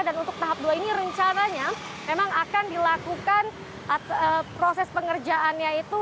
dan untuk tahap dua ini rencananya memang akan dilakukan proses pengerjaannya itu